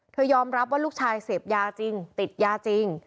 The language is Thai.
ยอมรับว่าลูกชายเสพยาจริงติดยาจริง